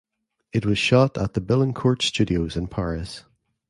It was shot at the Billancourt Studios in Paris.